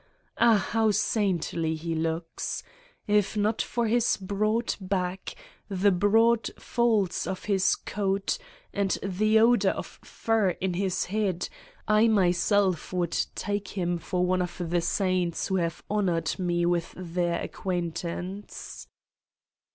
Ah, how saintly he looks. If not for his broad back, the broad folds of his coat, and the odor of fur in his head, I myself would take him for one of the saints who have honored me with their acquaintance.